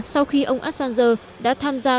sau khi ông assanger đã tham gia